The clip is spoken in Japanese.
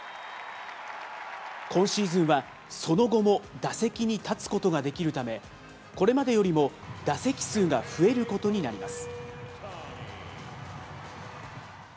今シーズンはその後も、打席に立つことができるため、これまでよりも打席数が増えることになります。